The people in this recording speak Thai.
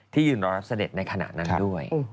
ยืนรอรับเสด็จในขณะนั้นด้วย